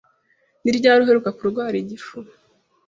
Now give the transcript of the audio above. Ni ryari uheruka kurwara igifu?